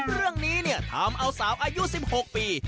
เรื่องนี้เนี่ยทำเอาสาวอายุ๑๖ปี